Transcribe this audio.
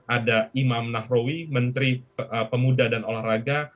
ada imam nahrawi menteri pemuda dan olahraga